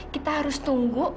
kita harus tunggu